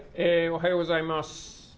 おはようございます。